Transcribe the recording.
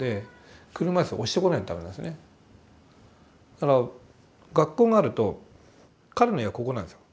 だから学校があると彼の家はここなんですよ。